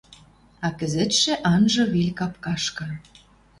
А кӹзӹтшӹ анжы вел капкашкы.